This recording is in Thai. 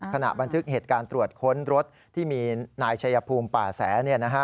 บันทึกเหตุการณ์ตรวจค้นรถที่มีนายชัยภูมิป่าแส